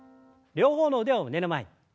両方の腕を胸の前に。